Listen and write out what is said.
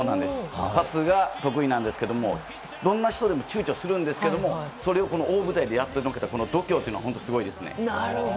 パスが得意なんですけどどんな選手でも躊躇するんですがそれをこの大舞台でやってのけたこの度胸というのは本当にすごいですね。